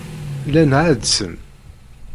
Llan ɛeḍḍsen.